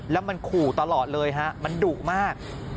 แล้วมันขู่ตลอดเลยฮะมันดุมาก